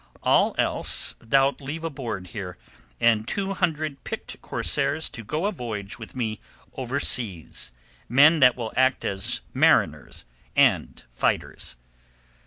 All else thou'lt leave aboard here, and two hundred picked corsairs to go a voyage with me overseas, men that will act as mariners and fighters."